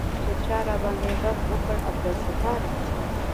چې چا راباندې ږغ وکړ عبدالستاره.